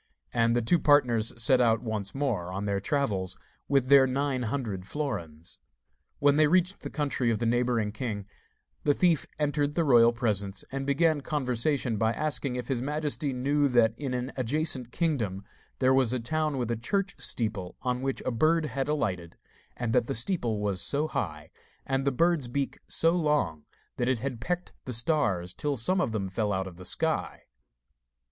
And the two partners set out once more on their travels, with their nine hundred florins. When they reached the country of the neighbouring king, the thief entered the royal presence, and began conversation by asking if his majesty knew that in an adjacent kingdom there was a town with a church steeple on which a bird had alighted, and that the steeple was so high, and the bird's beak so long, that it had pecked the stars till some of them fell out of the sky.